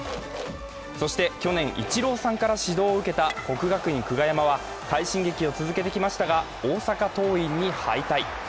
そして、去年イチローさんから指導を受けた国学院久我山は快進撃を続けてきましたが大阪桐蔭に敗退。